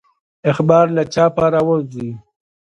اخبار له چاپه راووزي.